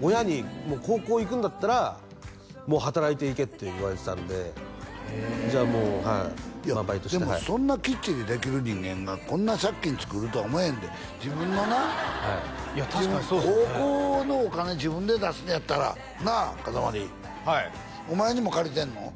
親に高校行くんだったら働いて行けって言われてたんでじゃあもうはいバイトしてそんなきっちりできる人間がこんな借金作るとは思えへんで自分のな高校のお金自分で出すんやったらなあかたまりはいお前にも借りてんの？